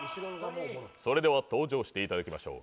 それでは登場していただきましょう。